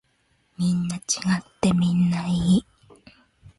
みんな違ってみんないい。